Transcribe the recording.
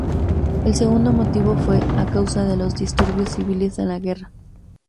El segundo motivo fue a causa de los disturbios civiles en la guerra.